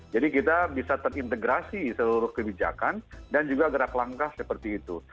jadi kita bisa terintegrasi seluruh kebijakan dan juga gerak langkah seperti itu